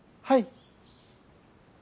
はい。